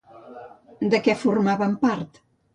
De què formaven part?